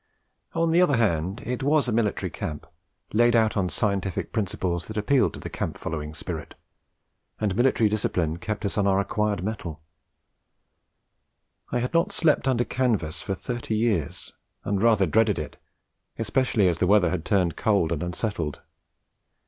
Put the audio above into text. On the other hand, it was a military camp, laid out on scientific principles that appealed to the camp following spirit, and military discipline kept us on our acquired mettle. I had not slept under canvas for thirty years, and rather dreaded it, especially as the weather had turned cold and unsettled.